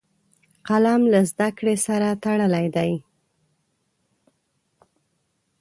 قلم له زده کړې سره تړلی دی